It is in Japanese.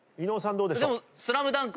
どうでしょう？